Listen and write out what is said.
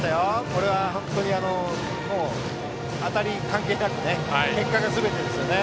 これは当たりに関係なく結果がすべてですよね。